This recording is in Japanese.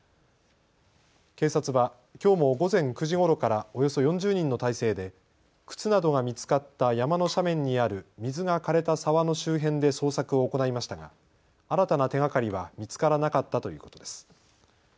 警察はきょうも午前９時ごろからおよそ４０人の態勢で靴などが見つかった山の斜面にある水がかれた沢の周辺で捜索を行いましたが新たな手がかりは見つからなかったということです。